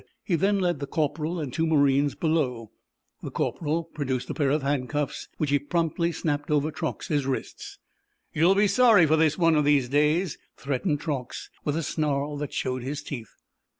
He then led the corporal and two marines below. The corporal produced a pair of handcuffs, which he promptly snapped over Truax's wrists. "You'll be sorry for this, one of these days," threatened Truax, with a snarl that showed his teeth.